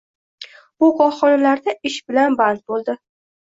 bu korxonalarda ish bilan band bo‘ldi.